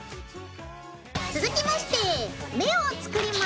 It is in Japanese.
続きまして目を作ります。